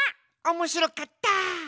おもしろかった！